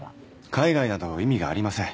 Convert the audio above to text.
海外など意味がありません